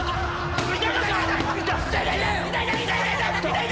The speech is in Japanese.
痛い！